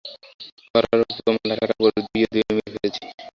ক্ষরার ওপর তোমার লেখাটা পড়ে দুইয়ে দুই মিলিয়ে ফেলেছি।